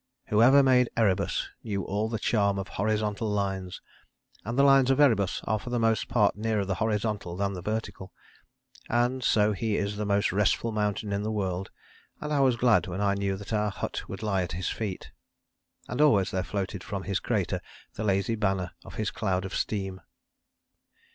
Whoever made Erebus knew all the charm of horizontal lines, and the lines of Erebus are for the most part nearer the horizontal than the vertical. And so he is the most restful mountain in the world, and I was glad when I knew that our hut would lie at his feet. And always there floated from his crater the lazy banner of his cloud of steam.